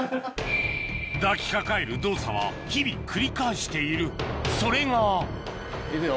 抱きかかえる動作は日々繰り返しているそれが行くよ。